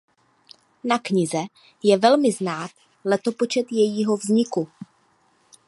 Na knize je velmi znát letopočet jejího vzniku.